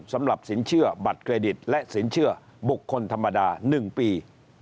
สำหรับสินเชื่อบัตรเครดิตและสินเชื่อบุคคลธรรมดา๑ปี